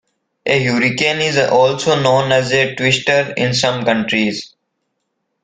A hurricane is also known as a twister in some countries.